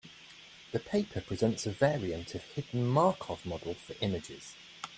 The paper presents a variant of a hidden Markov model for images.